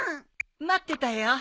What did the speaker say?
待ってたよ。